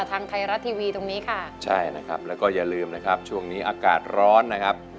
ทางไทยรัฐทีวีตรงนี้ค่ะใช่นะครับแล้วก็อย่าลืมนะครับช่วงนี้อากาศร้อนนะครับ